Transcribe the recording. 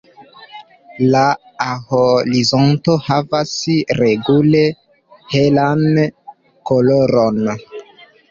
La A-horizonto havas regule helan koloron.